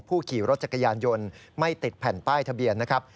ขี่รถจักรยานยนต์ไม่ติดแผ่นป้ายทะเบียนนะครับ